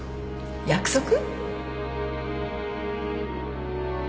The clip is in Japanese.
約束？